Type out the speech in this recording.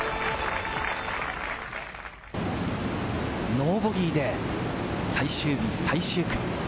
ノーボギーで最終日・最終組。